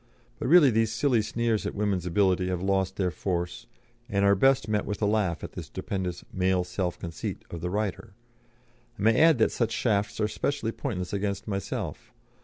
But really these silly sneers at woman's ability have lost their force, and are best met with a laugh at the stupendous 'male self conceit' of the writer. I may add that such shafts are specially pointless against myself.